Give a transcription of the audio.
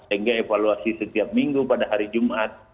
sehingga evaluasi setiap minggu pada hari jumat